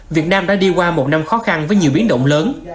việt nam đã đi qua một năm khó khăn với nhiều biến động lớn